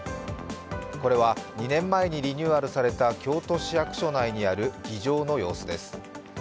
これは２年前にリニューアルされた京都市役所内にある議場の様子です。